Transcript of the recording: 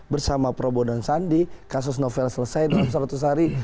bersama prabowo dan sandi kasus novel selesai dalam seratus hari